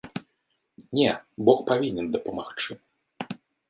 Не, бог павінен дапамагчы.